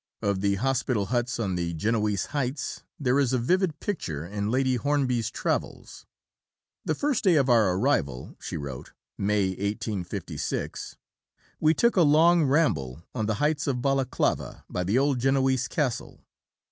Of the hospital huts on the Genoese Heights, there is a vivid picture in Lady Hornby's Travels. "The first day of our arrival," she wrote, May 1856, "we took a long ramble on the heights of Balaclava, by the old Genoese castle.